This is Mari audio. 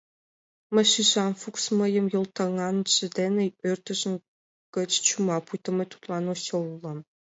Мый шижам: Фукс мыйым йолтаганже дене ӧрдыжем гыч чума — пуйто мый тудлан осёл улам.